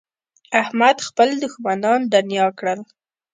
احمد خپل دوښمنان دڼيا کړل.